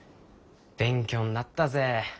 勉強になったぜ。